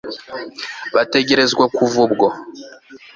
bategerezwa kuva ubwo